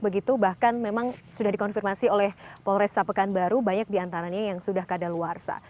begitu bahkan memang sudah dikonfirmasi oleh polres tapekan baru banyak di antaranya yang sudah keadaan luarsa